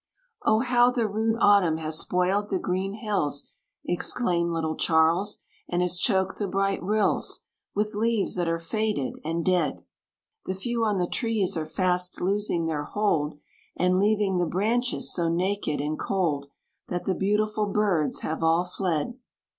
"Oh! how the rude autumn has spoiled the green hills!" Exclaimed little Charles, "and has choked the bright rills With leaves that are faded and dead! The few on the trees are fast losing their hold. And leaving the branches so naked and cold. That the beautiful birds have all fled."